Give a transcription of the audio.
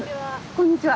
こんにちは。